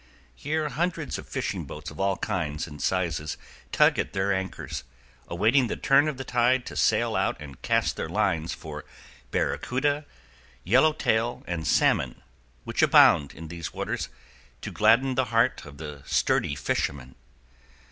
Here hundreds of fishing boats of all styles and sizes tug at their anchors, awaiting the turn of the tide to sail out and cast their lines for baracuta, yellowtail, and salmon, which abound in these waters to gladden the heart of the sturdy fisherman.